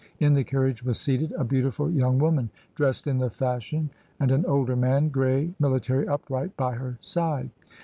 In the carriage was seated a beautiful young woman dressed in the fashion, and an older man — grey, military, upright — by her side.